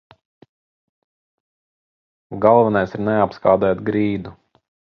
Galvenais ir neapskādēt grīdu.